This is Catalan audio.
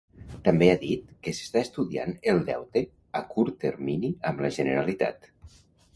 També ha dit que s'està estudiant el deute a curt termini amb la Generalitat.